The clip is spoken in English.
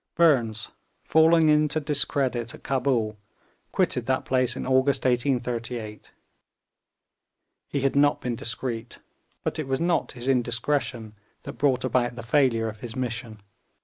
Burnes, fallen into discredit at Cabul, quitted that place in August 1838. He had not been discreet, but it was not his indiscretion that brought about the failure of his mission.